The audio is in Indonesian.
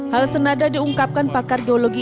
hal senada diungkapkan pakar geologi